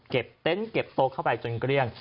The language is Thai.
เต็นต์เก็บโต๊ะเข้าไปจนเกลี้ยง